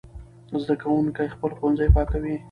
زده کوونکي خپل ښوونځي پاکوي.